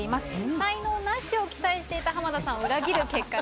才能ナシを期待していた浜田さんを裏切る結果でした。